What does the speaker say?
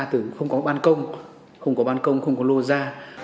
từ không có bàn công không có bàn công không có lô ra